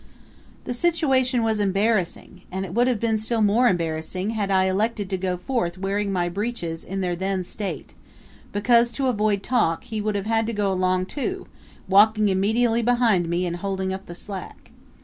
The situation was embarrassing, and it would have been still more embarrassing had I elected to go forth wearing my breeches in their then state, because, to avoid talk, he would have had to go along too, walking immediately behind me and holding up the slack.